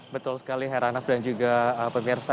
betul sekali herr raff dan juga pemirsa